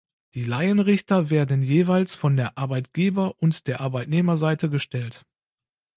Die Laienrichter werden jeweils von der Arbeitgeber- und der Arbeitnehmerseite gestellt.